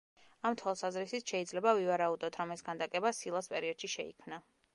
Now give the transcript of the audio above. ამ თვალსაზრისით შეიძლება ვივარაუდოთ, რომ ეს ქანდაკება სილას პერიოდში შეიქმნა.